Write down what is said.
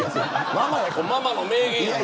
ママの名言や。